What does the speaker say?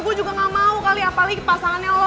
gue juga gak mau kali apalagi pasangannya lo